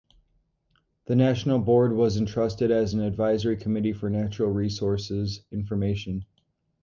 The national board was entrusted as an advisory committee for natural resources information.